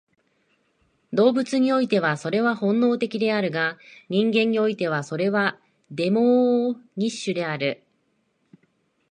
動物においてはそれは本能的であるが、人間においてはそれはデモーニッシュである。